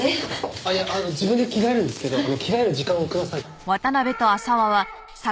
ああいやあの自分で着替えるんですけど着替える時間をください。